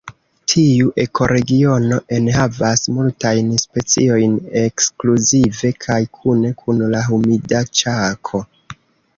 Tiu ekoregiono enhavas multajn speciojn ekskluzive kaj kune kun la Humida Ĉako.